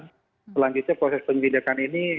dan selanjutnya proses penyelidikan ini